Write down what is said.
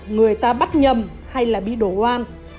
người ta bắt nhầm hay là bị đổ quan